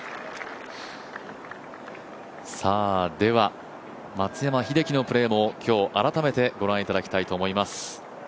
では、松山英樹のプレーも今日改めてご覧いただきたいと思います。